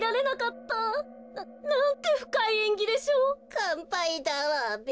かんぱいだわべ。